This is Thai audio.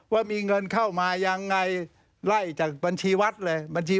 ว่ามีเงินเข้ามายังไง